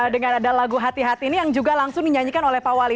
dengan ada lagu hati hati ini yang juga langsung dinyanyikan oleh pak wali